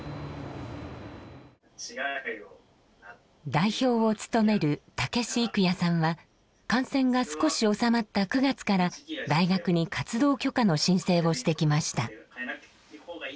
代表を務める武子生弥さんは感染が少し収まった９月から大学に活動許可の申請をしてきました。